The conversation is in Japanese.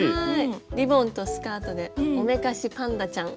リボンとスカートでおめかしパンダちゃん。